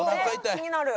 気になる。